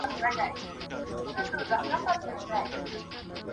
د پلرونو فکرونه بايد په دقت وارزول سي.